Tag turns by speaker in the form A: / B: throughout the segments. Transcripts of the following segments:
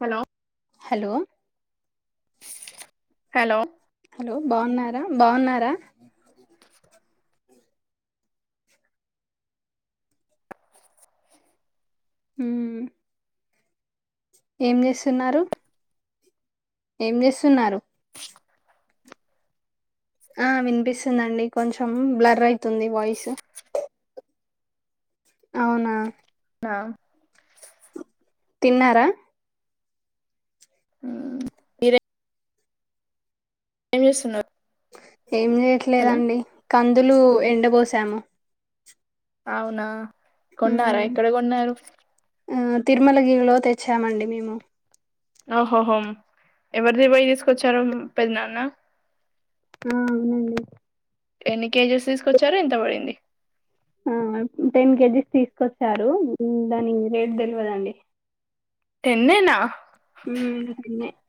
A: Hello
B: hello
A: కలో
B: hello బాగున్నార బాగున్నారా హుమ్ ఏం చేస్తున్నారు ఏం చేస్తున్నారు ఆ వినిపిస్తుందండి కొంచెం బ్లర్ అయితుంది వాయిస్ అవున
A: త
B: తిన్నార
A: మీరె ఏమ్ చేస్తున్నార్
B: ఏం చేయట్లేదండి కందులు ఎండ బోసాము
A: అవునా కొన్నార
B: మ్మ్.
A: ఎక్కడ కొన్నారు
B: ఆ తిరుమలగిరిలో తెచ్చామండి మేము
A: ఆ హోహో ఎవరిది పోయి తీసుకొచ్చారు పెద్దనాన్న
B: ఆ అవునండి
A: ఎన్ని కేజీస్ తీసుకొచ్చార్ ఎంత పడింది
B: ఆ టెన్ కేజీస్ తీసుకొచ్చారు దాని రేట్ తెలియదండి
A: టెన్నేనా
B: హు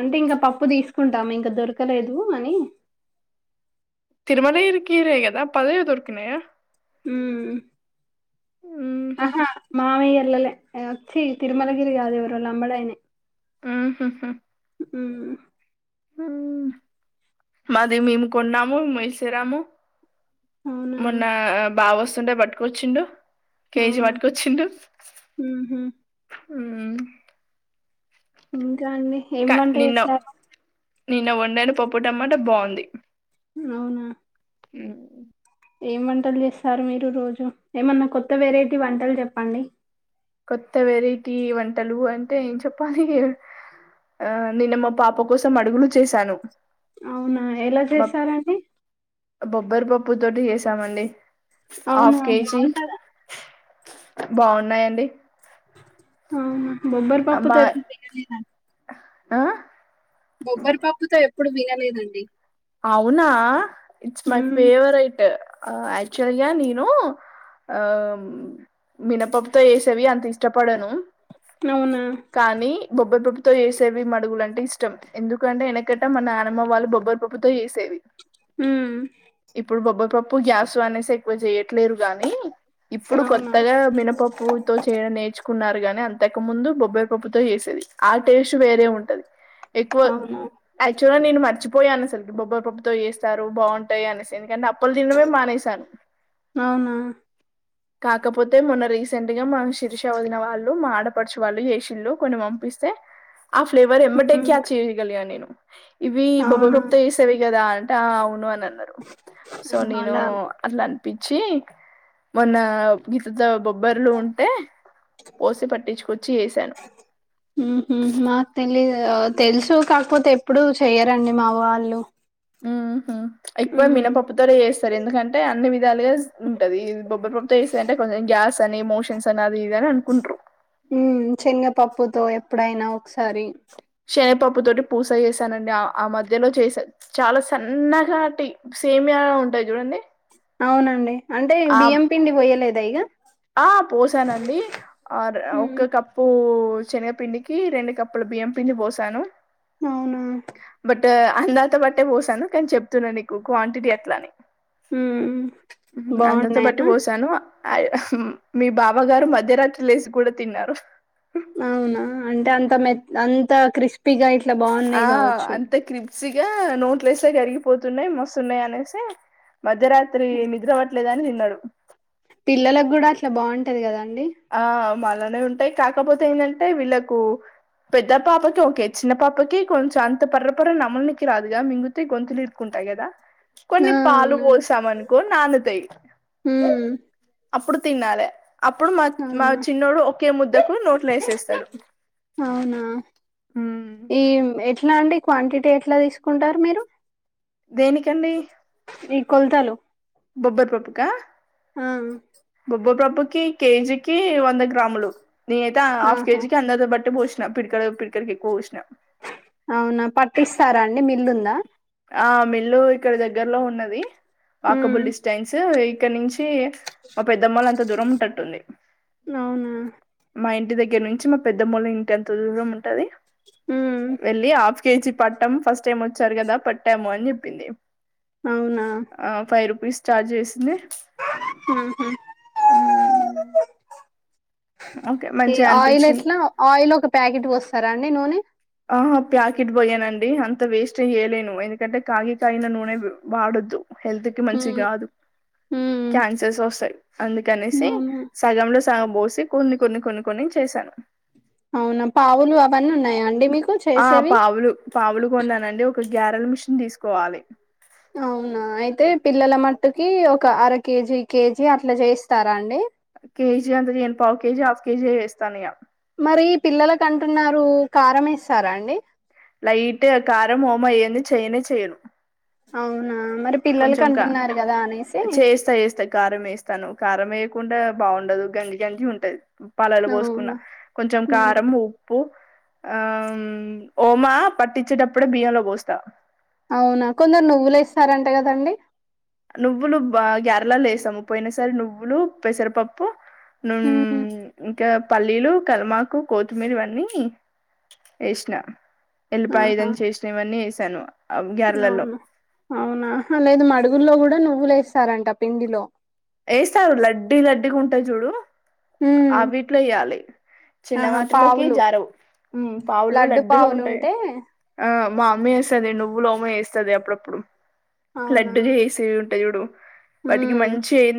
B: అంటే ఇంకా పప్పు తీసుకుంటాము ఇంకా దొరకలేదు అని
A: తిరుమలరు కీరే కదా పదవి దొరుకనాయ
B: మ్
A: ఉహు
B: అహా మామయ వచ్చి తిరుమలగిరి కాదేవరులో అంబడయినే
A: ఆహహ
B: ఉ
A: మాది మేము కొన్నాము మలిసేరాము
B: అవునా
A: మొన్న బావ వస్తుంటే పట్టుకొచ్చిండు కేజీ
B: అవునా
A: వాట్కొచ్చిండూ
B: ఉహు ఇంకా అండి ఏం వంట
A: నిన్న
B: చేసినారు.
A: నిన్న వంండని పప్పుటమాట బాగుంది
B: అవునా
A: ఉ
B: ఏం వంటలు చేస్తారు మీరు రోజు ఏమన్నా కొత్త వెరైటీ వంటలు చెప్పండి
A: కొత్త వెరైటీ వంటలు అంటే ఏం చెప్పాలి ఏ ఆ నిన్న మా పాప కోసం అడుగులు చేశాను
B: అవునా ఎలా
A: మా
B: చేశారు అది
A: బొబ్బరి పప్పు తోటి చేశాం అండి
B: అవును ఆ బావుంటాదా
A: బావున్నాయి అండి
B: అవునా బొబ్బరి
A: అమ్మా
B: పప్పుతోటి [inaudible]
A: ఆ
B: బొబ్బరి పప్పుతో ఎప్పుడూ వినలేదండి
A: అవునా it's my
B: um
A: favourite actual గా నను ఆం మినపప్పుతో వేసేవి అంత ఇష్టపడను
B: అవునా
A: బొబ్బరిపప్పుతో చేసేవి మడుగులంటే ఇష్టం ఎందుకంటే ఎనకట మన నానమ్మ వాళ్ళు బొబ్బరిపప్పు ప్పుతో చేసేది
B: ఉమ్
A: ఇప్పుడు బొబ్బరి పప్పు గ్యాస్ అనేసి ఎక్కువ చేయ ట్లేదు గానీ ఇప్పుడు
B: అవునా
A: కొత్తగా మినపప్పు తో చేయడం నేర్చుకో కున్నారు గానీ అంతకు ముందు బొబ్బరి పప్పు్తో చేసేది ఆ టేస్టు వేరే ఉంటాది ఎక్కువ
B: అవునా
A: యాక్చువల్ గా నేను మర్చిపోయాను అసలు బొబ్బరు పప్పుతో చేస్తారు బావుంటాయి అనేసి ఎందుకంటే ప్పులు తినడమే మానేశాను
B: అవునా
A: కాకపోతే మొన్న రీసెంట్ గా మన శిరీష వదిన వాళ్ళు మా ఆడపడుచు వాళ్ళు ఏషిళ్లు కొన్ని పంపిస్త ఏ ఆ ఫ్లేవర్ ఎంబటె
B: ఉమ్
A: క్యాప్ చెయ్యగలిగాను నేను ఇవి బొబ్బ
B: అవునా
A: బొప్తో చేసేవి కదా ఆ అవును అని అన్నారు సో
B: ఆహా,
A: నేను
B: అలా
A: అట్లా పిచ్చి మొన్న [inaudible] బ్బర్లు ఉంటే పోసి పట్టిచ్చుకొచ్చి ఏసాను
B: ఉహు మాకు తెలీదు ఆ తెలుసు కాకపోతే ఎప్పుడు చెయ్యరండి మా వాళ్ళు
A: హ్మ్ హు మ్మ్ ఎక్కువ
B: ఉమ్
A: మినపప్పుతోనే చేస్తారు ఎందుకన్ టే అన్ని విధాలుగా ఉంటది [unintelligible] అంటే కొంచెం గ్యాస్ అని మోషన్స్ అని అది ఇది అని అనుకుంట్రూ
B: మ్మ్ శేన్నగ పప్పుతో ఎప్పుడైనా ఒకసారి
A: శనపప్పు తోటి పూస చేశానండి ఆ ఆ మధ్యలో చేసా చాలా సన్నగాటి సేమ్యా గా ఉంటాయి చూడండి
B: అవునండి అంటే
A: ఆ
B: బియ్యం పిండి పొయ్యలేదా ఇగ
A: ఆ పోసానండి ఆర్
B: ఉమ్
A: ఒక కప్పు శెనగ పిండికి రెండు కప్పుల బియ్యం పిండి పోసాను
B: అవునా
A: బట్ ట్ అందతో బట్టే పోసాను కానీ చెప్తున్నాను నీకు క్వాంటిటీ ఎట్లని
B: ఉమ్
A: మ్మ్ అందతో పట్టి
B: బాగున్నాయా
A: పోసాను అయ్ అహ్! మ్మ్ మీ బావగారు మధ్యరాత్రి లేసి కూడా తిన్నారు
B: అవునా? అంటే అంత మెత్ అంత క్రిస్పీగా ఇట్ల బాగున్నయి గావచ్చు
A: సిగా నోట్లో ఏస్తె కరిగిపోతున్నయ్, మస్తున్నయ్ అనేసి, మధ్యరాత్రి నిద్ర పట్ ట్లేదు అని తిన్నడు
B: పిల్లలకు గుడా అట్ల బావుంటది గదా
A: ఆ మల్లనే ఉంటాయ్ కాకపోతే ఏందంటే వీళ్ళకు పెద్ద పాపకి ఓకే చిన్న పాపకి కొంచెం అంత పర్రపర్ర నమలనీకి రాదుగ, మింగుతే గొంతులో ఇరుకునట్ ఉంటాయ్ గదా కొన్ని
B: ఆ
A: పాలు
B: అవునండి
A: పోసాం అనుకో నానుతయ్
B: ఉమ్
A: అప్పుడు తిన్నాలే అప్పుడు మా మా
B: అవునా
A: చిన్నోడు ఒకే ముద్దకు నోట్లో ఏసేస్తడు
B: అవునా
A: ఊహ్
B: ఉన్నాయండి క్వాంటిటీ ఎట్ల దీసుకుంటరు మీరు
A: దేనికండీ
B: కొల్తలు
A: బొబ్బర్ పప్పుకా
B: ఆ
A: ఒక కేజీకీ వంద గ్రాములు నేనైతె హాఫ్
B: ఆహా
A: కేజీకి అందాజ బట్టి బోసిన పిడికెడు పిడి కుడికి ఎక్కో బోసిన
B: అవునా, పట్టిస్తారా అండి మిల్లుందా?
A: ఆ మిల్లూ ఇక్కడ దగ్గరలో ఉన్నది.
B: ఉమ్
A: వాకబుల్ డిస్టెన్స్ ఇక్కడ నుంచీ, మా పెద్దమ్మోలంత దూరం ఉండేటట్టుంది.
B: అవునా?
A: మా ఇంటి దగ్గర నుంచి, మా పెద్దమోళ్ళ ఇంటి అంత దూరం ఉంటది.
B: ఉమ్
A: వెళ్ళి ఆ కేజీ పట్టం. ఫస్ట్ టైం వచ్చారు గదా! పట్టాము అని జెప్పింది.
B: అవునా
A: ఆ ఫైవ్ రూపీస్ ఛార్జ్ జేసింది.
B: ఉహూ
A: హ్మ్. ఓకే.
B: ఈ
A: మంచిగా
B: ఆయిల్
A: అనిపిచ్చింది.
B: ఎట్ల? ఆయిల్ ఒక ప్యాకిట్ బోస్తరా అండి నూనె?
A: అహ ప్యాకిట్ బోయనండి అంత వేస్ట్ జేయలేను. ఎందుకంటే కాగి కాగిన నూనె వాడొద్దు. హెల్త్ కి మంచిది
B: ఉమ్
A: గాదు
B: ఉమ్
A: క్యాన్సర్స్ ఒస్తయ్ అందుకనేసి
B: అవునా
A: సగంలో సగం బోసి కొన్ని కొన్ని కొన్ని కొన్ని చేశాను.
B: అవునా పావులు అవన్నీ ఉన్నాయా అండి మీకు
A: ఆ
B: చేసేవి
A: పావులు, పావులు కొన్నానండి. ఒక గ్యారెల్ మిషిన్ దీసుకోవాలి.
B: అవునా అయితే పిల్లల మట్టుకీ ఒక అర కేజీ, కేజీ అట్ల జేస్తారా అండి.
A: కేజీ అంత చేయను పావు కేజీ, హాఫ్ కేజియే చేస్తాను ఇగ
B: మరీ పిల్లలకంటున్నారు, కారమేస్తారా అండి.
A: లైట్గ కారం ఓమ ఎయ్యంది చెయ్యనే చెయ్యను.
B: అవునా మరి పిల్లలకి
A: కొంచెం క
B: అంటున్నారు కదా అనేసి
A: చేస్త ఏస్త కారం ఏసే స్తను కారం ఏయకుండా బాగుండదు. గంజి గంజి ఉంటది. పలలు బోసుకున్న.
B: అవునా
A: కొంచెం
B: ఉమ్
A: కారం ఉప్పు ఆమ్ ఓమా పట్టించేటప్పుడే బియ్యంలో బోస్త
B: అవునా కొందరు నువ్వులేస్తారంట గదండి.
A: నువ్వులు బా గ్యారెలల్లేస్తము పోయిన సారి నువ్వులు, పెసరపప్పు నూ
B: ఉమ్,
A: ఇంకా పల్లీలు కల్మాకు, కొత్మీరివన్నీ ఏసిన
B: ఆహా
A: ఎల్లిపాయదంచేసిన, ఇవన్నీ ఏశాను అవ్ గ్యారలల్లో
B: అవును అవునా అహ్హ లేదు, మడుగుల్లో గుడ నువ్వులేస్తారంట పిండిలో
A: ఏస్తారు లడ్డీ లడ్డీగ ఉంటయి జూడు
B: ఉమ్
A: అవీట్లో ఎయ్యాలి
B: ఆహా
A: చిన్నవాటిలోకి
B: పావులు
A: జారవు. ఊమ్ పావులు
B: లడ్డు
A: లడ్డుగా
B: పావులు
A: ఉంటయి
B: ఉంటే
A: ఆ మా అమ్మ జేస్తది నువ్వుల ఓమ ఏస్తది అప్పుడప్పుడు
B: అవునా
A: లడ్డుగ జేస్తే ఉంటది జూడు వాటికి
B: ఉమ్
A: మన్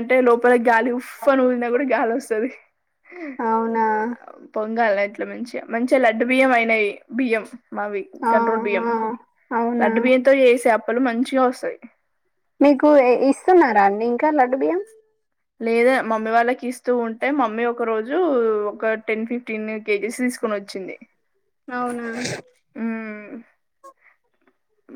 A: అంటే లోపల గాలి ఉఫను ఊదిన కూడా గాలి వస్తది
B: అవునా
A: బంగా ఇట్లా మంచిగా మంచిగా లడ్డు బియ్యం అయినవి బియ్యం మావి
B: ఆ
A: కంట్రోల్ బియ్యం
B: ఆ అవునా
A: లడ్డు బియ్యంతో చేసే అప్పలు మంచిగా వస్తాయి.
B: మీకు ఇస్తున్నారా అండి ఇంకా లడ్డు బియ్యం
A: లేద మమ్మీ వాళ్ళకి ఇస్తూ ఉంటే మమ్మీ ఒక రోజు ఒక టెన్ ఫిఫ్టీన్ కేజెస్ తీసుకుని వచ్చింది.
B: అవునా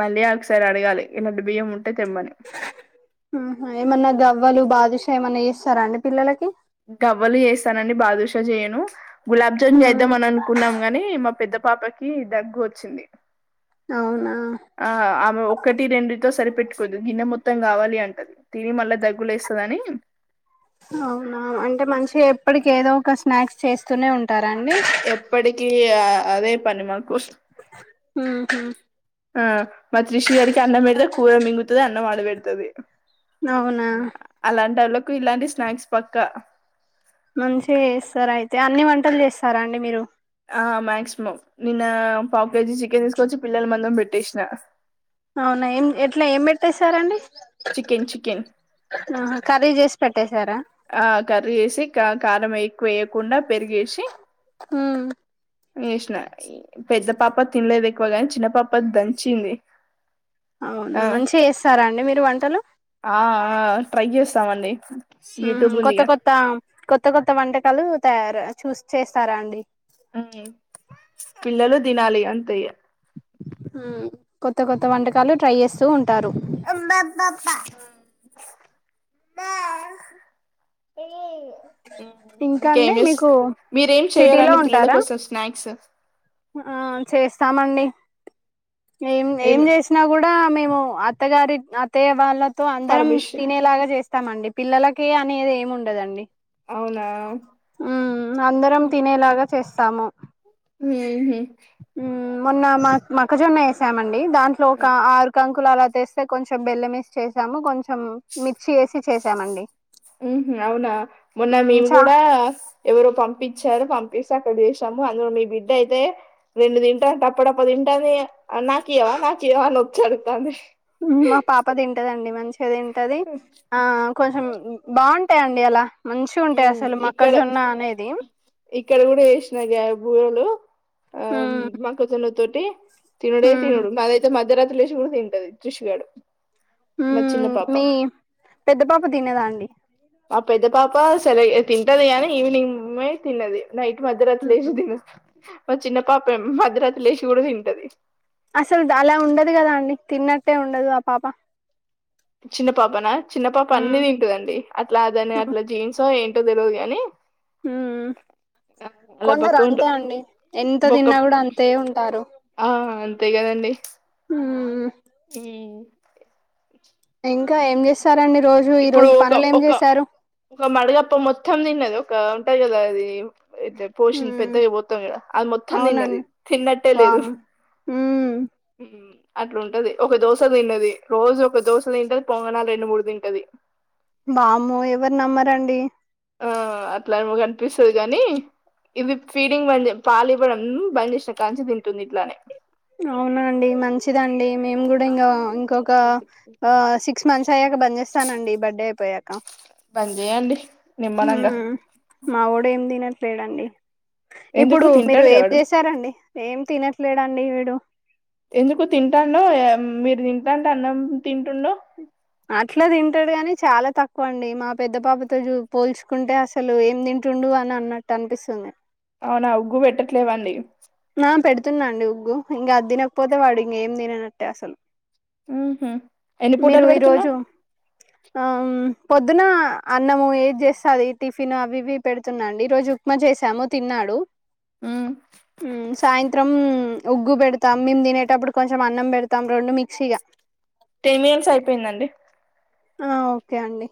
A: మళ్ళీ ఒకసరి అడగాలి ఇలాడ్డు బియ్యంము
B: ఏమన్నా గవ్వలు బాదుషా ఏమన్నా చేస్తారా అండి పిల్లలకి
A: గవ్వలు చేస్తానండి బాదుషా చేయను గులాబ్ జామున్
B: ఆ
A: చేద్దామ అని అనుకున్నాం గాని మా పెద్ద పాపకి దగ్గు వచ్చింది
B: అవునా
A: ఆ ఆమె ఒకక్కటి రెండు సరిపెట్టుకోద్దు గిన్నె మొత్తం కావాలి అంటది తిని మళ్ళా దగ్గులేస్తదని
B: అవునా అంటే మంచిగా ఎప్పటికి ఏదో ఒక స్నాక్స్ చేస్తూనే ఉంటార
A: ఎప్పటికి అదే పని మాకు
B: ఉహు
A: ఆ మా త్రిషు గాడికి అన్నం పెడితే కూర మింగుతది అన్నం ఆడపెడత్ది
B: అవునా
A: ఇలాంటి స్నాక్స్ పక్కా
B: మంచిగా చేస్తారు అయితే అన్ని వంటలు చేస్తారా అండి మీరు
A: ఆ మాక్సిమం నిన్న పావ్ కేజీ చికెన్ తీసుకొచ్చి పిల్లల మందం పెట్టేసిన
B: అవునా ఏం ఎట్లా ఏం పెట్టేసారండి
A: చికెన్ చికెన్
B: ఆహా కర్రీ చేసి పెట్టేశారా
A: ఆ కర్రీ చేసి కారం ఎక్కువ వేయకుండా పెరుగేసి
B: ఉమ్
A: యేస్నా పెద్ద పాప తినలేదు ఎక్కువగాని చిన్న పాప దంచింది
B: అవునా
A: ఆ
B: మంచిగా చేస్తారా అండి మీరు వంటలు
A: ఆ ఆ ట్రై చేస్తామండి
B: ఆహ్
A: యూట్యూబ్
B: కొత్త
A: ఉందిగా
B: కొత్త కొత్త కొత్త వంటకాలు తయారు చూస్ చేస్తారా అండి
A: ఉమ్, పిల్లలు తినాలి అంతేఇగ
B: ఆ కొత్త కొత్త వంటకాలు ట్రై చేస్
A: అబ అబ్బా అప్పా హ్మ్
B: ఇంకా
A: ఇంకేం
B: అండి
A: చెస్
B: మీకు
A: మీరేం చేయరా
B: సిటీలో
A: అండి పిల్లల
B: ఉంటారా
A: కోసం స్నాక్స్
B: ఆ చేస్తామండి ఏం ఏం
A: ఏమి
B: చేసినా కూడా మేమ్ ఉ అత్తగారి అత్తయ్య వాళ్ళతో అందరం
A: పర్మిషన్
B: తినేలాగా చేస్త స్తామండి పిల్లలకి అనేది ఏమి ఉండదండి
A: అవునా
B: హ్మ్మ్ అందరం తినేలాగా చేస్తాము
A: హ్మ హ్మ
B: హ్మ మొన్న మ మక్కజొన్న వేసామండి దాంట్లో ఒక ఆరు కంక్ కుల అలా తెస్తే కొంచెం బెల్లం మేసి చేసాము కొంచెం మిర్చి వేసి చేసామండి
A: హ్మ్ హ్మ అవునా మొన్న
B: ఉమ్
A: మేము
B: చా
A: కూడా ఎవరో పంపించారు పంప్ సాక్కట్ చేసాము అందులో మీ బిడ్డ అయితే రెండు తింట తప్పడప్పు తింటాది నాకి ఇయవ నాకి ఇయవ అని వచ్చి ఎదుగుతాంది
B: హ్మ మా పాప తింటదండి మంచిగా తింటది ఆ కొంచెం బాగుంటాయండి అలా మంచిగా ఉంటాయి
A: ఉమ్
B: అసలు
A: ఇక్కడ
B: మక్కజొన్న అనేది
A: ఇక్కడ అ
B: ఉమ్
A: మక్కజొన్న తోటి తినుడే
B: ఉమ్
A: తినడు మాది అయితే మధ్యరా త్రీ లేషి కూడా తింటది తృషుగాడు
B: హ్మ మీ పెద్ద పాప తినేదా అండి
A: మా పెద్ద పాప సరిగా తింటది కానీ ఈవినింగే తిన్నది నైట్ మధ్యరాత్రి లేచి తిను మా చిన్న పాపే మధ్యరాత్రి లేచి కూడా తింటది
B: అసలు అలా ఉండదు కదా అండి తిన్నట్టే ఉండదు ఆ పాప
A: చిన్న పాపనా చిన్న పాప అన్ని
B: మ్మ్
A: తింటదండీ అట్లా అ దాని అట్లా జీన్సో ఏంట్ ఏంటో తెల్వదు గాని
B: హ్మ్ కొందరు
A: బక్క ఉంట
B: అంతే అండి ఎంత
A: బొక్క
B: తిన్నా కూడా అంతే ఉంటారు
A: ఆ అంతే కదండి
B: మ్మ్
A: హ్మ్
B: ఇంకా ఏం చేస్తారండి రోజు ఈ
A: ఇప్పుడు
B: రోజు
A: ఒక
B: పనులు ఏం
A: ఒక
B: చేశారు
A: ఒక మడగప్ప మొత్తం తిన్నది ఒక ఉంటా కదా అది ఇట్ల పోషిన్
B: మ్మ్
A: పెద్దగా పోతాం కదా అది మొత్తం తిన్నది
B: అవునండి
A: తిన్నట్టే లేదు
B: వామ్మో మ్మ్
A: హ్మ అట్లుంటది ఒక దోశ తిన్నది రోజు ఒక దోశ తింటది పొంగనాలు రెండు మూడు తింటది
B: బామ్మో ఎవరూ నమ్మరండి
A: ఆ అట్లా ఆమె కనిపిస్తది కాని ఇది ఫీడింగ్ బంద చేస్ పాలు ఇవ్వడం బంద్ చేసినా కానించి తింటుంది ఇట్లానే
B: అవున అండి మంచిదండి మేము కూడా ఇంగ ఇంకొక ఆ సిక్స్ మంత్స్ అయ్యాక బంద్ చేస్ స్తానండి బర్త్డే అయిపోయాక
A: బన్ జేయండి
B: హుమ్ మా వోడు ఎం తినట్లేదండి
A: ఎందుకు
B: ఇప్పుడు మీరు
A: తింటాడుగా
B: ఏం
A: వాడు
B: చేసారండి ఏం తినట్లేడండి వీడు
A: ఎందుకు తింతాండో ఏ మీరు తింటంటే అన్నం తింటుండో
B: అట్లా తింటాడు కాని చాలా తక్కువ అండి మా పెద్ద పాపతోూ పోల్చుకుంటే అసలు ఏం తింటుండు అని అన్నట్టు అనిపిస్తుంది
A: అవునా ఉగ్గు పెట్టట్లేవండి
B: ఆ పెడుతున్నా అండి ఉగ్గు ఇంగ అది తినకపోతే వాడు ఇంగెం తిననట్టే అసలు
A: మ్ హు ఎన్ని
B: మీరు
A: పూటలు పెడుతున్నా
B: ఈరోజు ఆ పొద్దున అన్నము ఏది చేస్తే అది టిఫిన్ అవి ఇవి పెడుతున్న అండి ఈ రోజు ఉప్మా చేసాము తిన్నాడు
A: హమ్
B: హుమ్ సాయంత్రం ఉగ్గు పెడుతాం మేము తినేటప్పుడు కొంచెం అన్నం పెడుతాం రెండు మిక్సీగా
A: టెన్ మినిట్స్ అయిపోయిందండి
B: ఆ ఓకే అండి